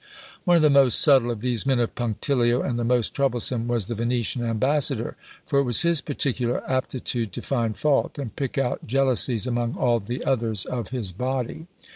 One of the most subtle of these men of punctilio, and the most troublesome, was the Venetian ambassador; for it was his particular aptitude to find fault, and pick out jealousies among all the others of his body.